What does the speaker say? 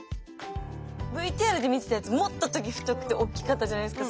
ＶＴＲで見てたやつもっとトゲ太くて大きかったじゃないですか。